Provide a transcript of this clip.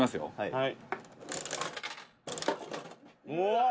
はい」